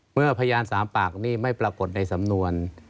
พยาน๓ปากนี้ไม่ปรากฏในสำนวน